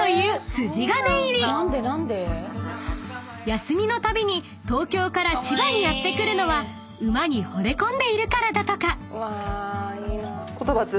［休みのたびに東京から千葉にやって来るのは馬にほれ込んでいるからだとか］